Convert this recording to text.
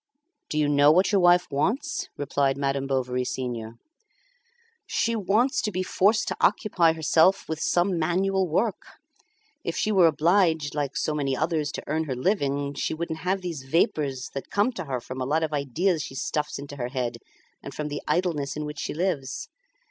"Do you know what your wife wants?" replied Madame Bovary senior. "She wants to be forced to occupy herself with some manual work. If she were obliged, like so many others, to earn her living, she wouldn't have these vapours, that come to her from a lot of ideas she stuffs into her head, and from the idleness in which she lives."